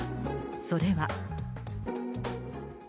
それは。